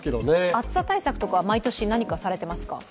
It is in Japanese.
暑さ対策とかは毎年、何かされていますか？